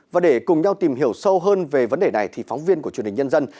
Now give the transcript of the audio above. và để cùng nhau tìm hiểu sâu hơn về vấn đề này thì phóng viên của truyền hình nhân dân